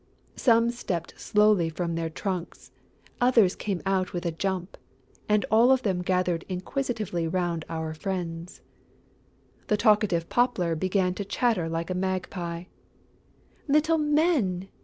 Some stepped slowly from their trunks; others came out with a jump; and all of them gathered inquisitively round our friends. The talkative Poplar began to chatter like a magpie: "Little Men!